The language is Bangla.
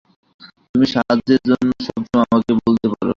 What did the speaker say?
তুমি সাহায্যের জন্য সবসময় আমাকে বলতে পারো।